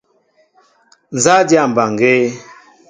Nzá a dyâ mbaŋgēē?